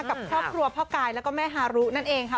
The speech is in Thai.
กับครอบครัวพ่อกายแล้วก็แม่ฮารุนั่นเองค่ะ